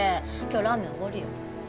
今日ラーメン奢るよ。